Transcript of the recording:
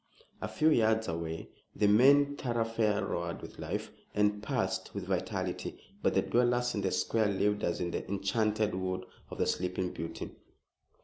A few yards away the main thoroughfare roared with life and pulsed with vitality, but the dwellers in the square lived as in the enchanted wood of the sleeping beauty.